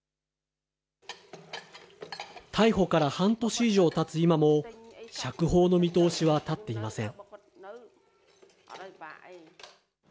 逮捕から半年以上たつ今も、釈放の見通しは立っていません。